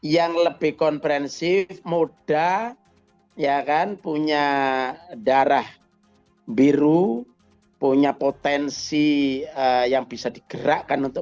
yang lebih komprehensif muda ya kan punya darah biru punya potensi yang bisa digerakkan untuk